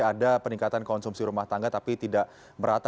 ada peningkatan konsumsi rumah tangga tapi tidak merata